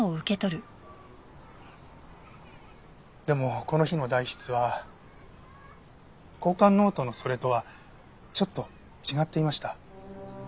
でもこの日の代筆は交換ノートのそれとはちょっと違っていました。